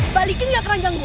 balikin gak keranjang gue